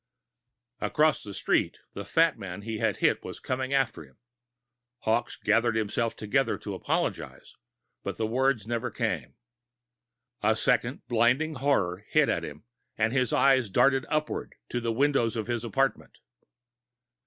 Across the street, the fat man he had hit was coming after him. Hawkes gathered himself together to apologize, but the words never came. A second blinding horror hit at him, and his eyes darted up towards the windows of his apartment.